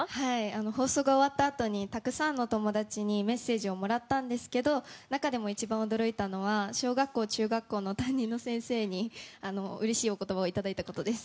放送が終わったあとにたくさんの友達にメッセージをもらったんですけど中でも一番驚いたのは小学校、中学校の担任の先生にうれしいお言葉をいただいたことです。